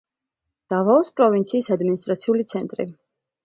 დავაოს პროვინციის ადმინისტრაციული ცენტრი.